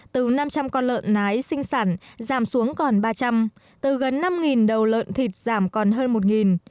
từ năm trăm linh con lợn nái sinh sản giảm xuống còn ba trăm linh từ gần năm đầu lợn thịt giảm còn hơn một